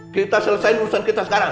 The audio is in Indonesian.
kita selesaikan urusan kita sekarang